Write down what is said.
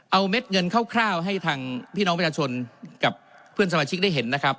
เอาเม็ดเงินคร่าวให้ทางพี่น้องประชาชนกับเพื่อนสมาชิกได้เห็นนะครับ